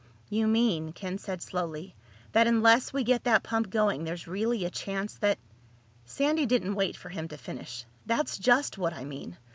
"You mean," Ken said slowly, "that unless we get that pump going there's really a chance that—?" Sandy didn't wait for him to finish. "That's just what I mean.